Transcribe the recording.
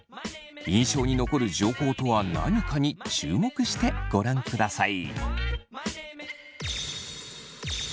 印象に残る情報とは何かに注目してご覧ください。